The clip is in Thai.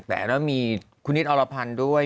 แต่มีคุณิตท์ออระพันธ์ด้วย